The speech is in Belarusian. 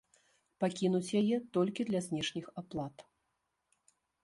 Пакінуць яе толькі для знешніх аплат.